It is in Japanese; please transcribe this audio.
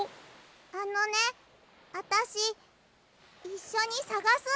あのねあたしいっしょにさがす。